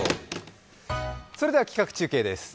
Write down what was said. それでは企画中継です。